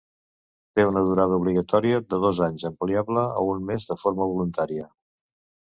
Té una durada obligatòria de dos anys, ampliable a un més de forma voluntària.